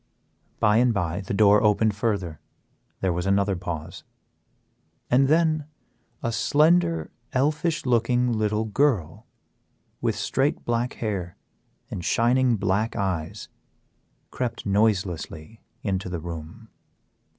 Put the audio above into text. By and by the door opened further, there was another pause, and then a slender, elfish looking little girl, with straight black hair and shining black eyes, crept noiselessly into the room.